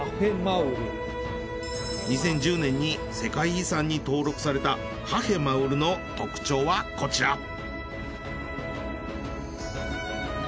２０１０年に世界遺産に登録されたハフェマウルの特徴はこちら。